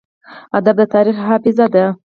ادب د تاریخ حافظه ده.